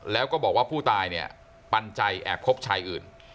แล้วก็บอกว่าผู้ตายเนี่ยปันใจแอบคบชายอื่น